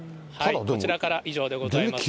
こちらからは以上でございます。